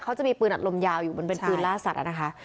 เขาจะมีปืนอัดลมยาวอยู่มันเป็นปืนล่าสัตว์นะคะ